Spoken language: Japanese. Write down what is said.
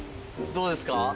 どうですか？